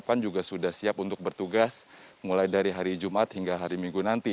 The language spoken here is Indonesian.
pan juga sudah siap untuk bertugas mulai dari hari jumat hingga hari minggu nanti